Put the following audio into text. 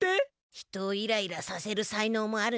人をイライラさせる才のうもあるのじゃ。